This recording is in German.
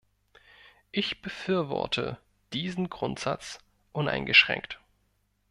Ich befürworte diesen Grundsatz uneingeschränkt.